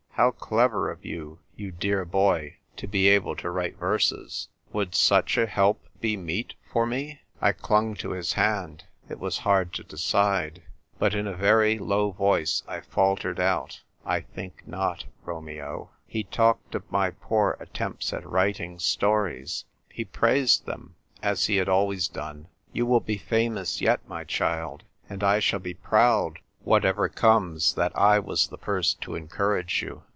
'How clever of you, you dear boy, to be able to write verses!* Would such a help be meet for me ?" I clung to his hand ; it was hard to decide; but in a very low voice I faltered out, " I think not, Romeo." He talked of my poor attempts at writing stories ; he praised them, as he had always done. " You will be famous yet, my child ; and I shall be proud, whatever comes, that I was the first to encourage you."